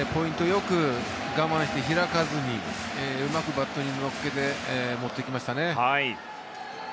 よく我慢して開かずにうまくバットに乗っけて持っていきましたね。